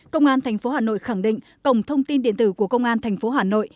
công an tp hà nội khẳng định cổng thông tin điện tử của công an thành phố hà nội